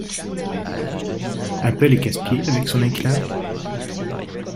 Apple est casse pied avec son icloud?